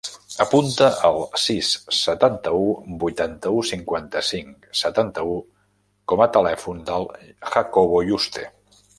Apunta el sis, setanta-u, vuitanta-u, cinquanta-cinc, setanta-u com a telèfon del Jacobo Yuste.